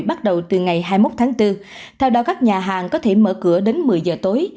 bắt đầu từ ngày hai mươi một tháng bốn theo đó các nhà hàng có thể mở cửa đến một mươi giờ tối